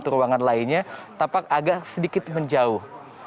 ruangan lainnya tampak agak sedikit menjauh